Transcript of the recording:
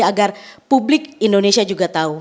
agar publik indonesia juga tahu